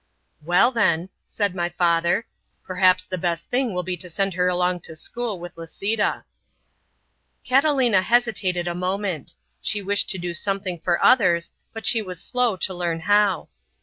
"Well, then," said my father, "perhaps the best thing will be to send her along to school with Lisita." Catalina hesitated a moment. She wished to do something for others, but she was slow to learn how.